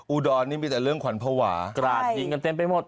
อุดรนี่มีแต่เรื่องขวัญภาวะกราดยิงกันเต็มไปหมด